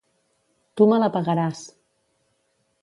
Tu me la pagaràs.